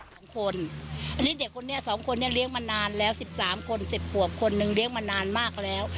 อันนี้เด็กคนนี้สองคนนี้เลี้ยงมานานแล้วสิบสามคนสิบขวบคนหนึ่งเลี้ยงมานานมากแล้ว